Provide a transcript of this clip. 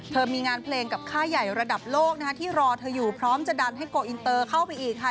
มีงานเพลงกับค่ายใหญ่ระดับโลกนะคะที่รอเธออยู่พร้อมจะดันให้โกอินเตอร์เข้าไปอีกค่ะ